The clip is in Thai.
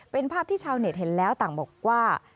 เป็นภาพที่ชาวเน็ตเห็นแล้วต่างบอกว่า